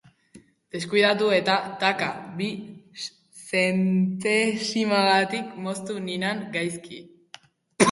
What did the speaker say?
Deskuidatu eta, taka, bi zentesimagatik moztu ninan gaizki.